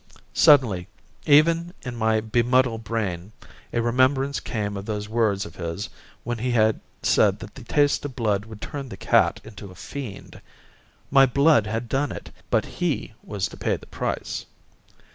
Suddenly even in my bemuddled brain a remembrance came of those words of his when he had said that the taste of blood would turn the cat into a fiend. My blood had done it, but he was to pay the price.